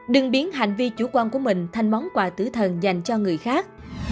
đừng biến hành vi chủ quan của mình thành món quà tử thần dành cho người khác